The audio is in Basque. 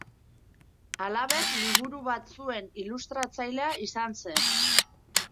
Halaber, liburu batzuen ilustratzailea izan zen.